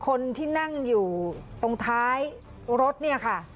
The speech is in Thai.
คนที่นั่งอยู่ตรงท้ายรถเนี่ยค่ะ